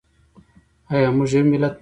آیا موږ یو ملت نه یو؟